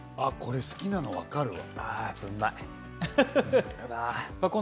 あ、これ好きなの分かるわ。